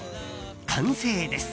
完成です。